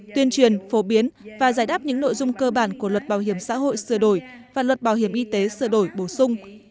tuyên truyền phổ biến và giải đáp những nội dung cơ bản của luật bảo hiểm xã hội sửa đổi và luật bảo hiểm y tế sửa đổi bổ sung